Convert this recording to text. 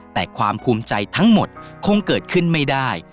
แต่ความภูมิใจทั้งหมดคงเกิดขึ้นไม่ได้